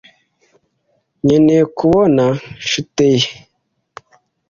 Nkeneye kubona shuteye.